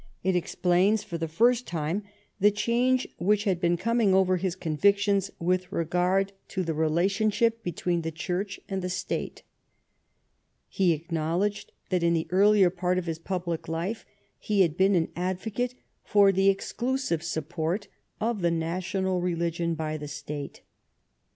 It explains for the first time the change which had been coming over his convictions with regard to the relationship between the Church and the State. He acknowledged that in the earlier part of his public life he had been an advocate for the exclusive support of the national religion by the State.